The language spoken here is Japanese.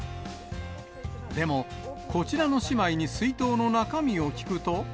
でも、こちらの姉妹に水筒の中身を聞くと。